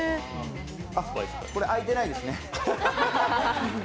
あっこれ、開いてないですね。